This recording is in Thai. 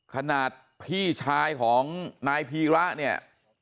ขนาดพี่ชายของนายพีระเนี่ย